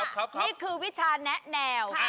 นี่คือวิชาแนะแนว